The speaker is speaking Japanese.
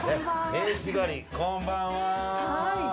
名刺代わりにこんばんは。